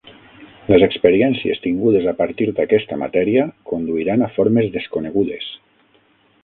Les experiències tingudes a partir d'aquesta matèria conduiran a formes desconegudes.